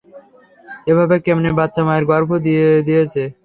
এভাবে কেমনে বাচ্চা মায়ের গর্ভে দিয়ে দিয়েছে?